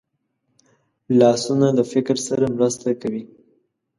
لاسونه له فکر سره مرسته کوي